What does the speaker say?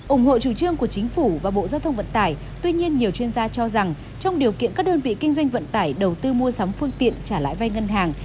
ủng hộ chủ trương của chính phủ và bộ giao thông vận tải tuy nhiên nhiều chuyên gia cho rằng trong điều kiện các đơn vị kinh doanh vận tải đầu tư mua sắm phương tiện trả lại vay ngân hàng